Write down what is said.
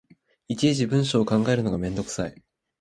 いちいち文章を考えるのがめんどくさい